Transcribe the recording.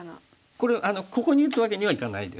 これここに打つわけにはいかないんですね。